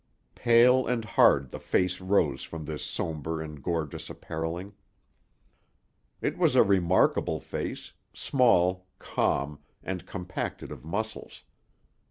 Pale and hard the face rose from this somber and gorgeous appareling. It was a remarkable face, small, calm, and compacted of muscles.